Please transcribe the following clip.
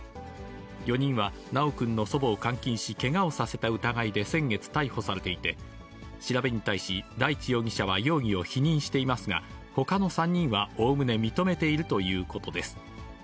４人は修くんの祖母を監禁し、けがをさせた疑いで先月逮捕されていて、調べに対し、大地容疑者は容疑を否認していますが、ほかの３人はおおむね認めているということです。